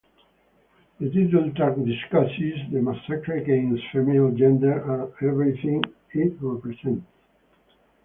The title track discusses "the massacre against female gender and everything it represents".